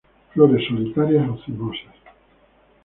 Flores solitarias o cimosas.